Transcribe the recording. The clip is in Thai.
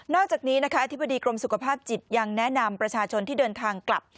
อกจากนี้นะคะอธิบดีกรมสุขภาพจิตยังแนะนำประชาชนที่เดินทางกลับ